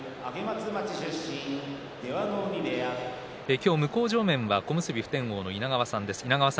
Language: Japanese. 今日、向正面は小結普天王の稲川さんです。